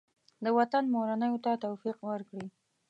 د وطن منورینو ته توفیق ورکړي.